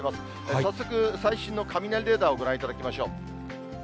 早速、最新の雷レーダーをご覧いただきましょう。